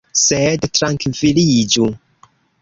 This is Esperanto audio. Sed trankviliĝu!